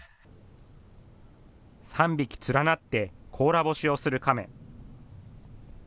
３匹連なって甲羅干しをするカメ。